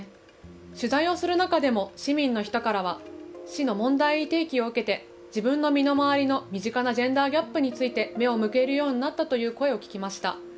取材をする中でも市民の人からは市の問題提起を受けて自分の身の回りの身近なジェンダーギャップについて目を向けるようになったという声を聞きました。